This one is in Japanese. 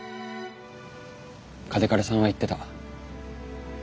嘉手刈さんは言ってた。